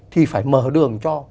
thì phải mở đường cho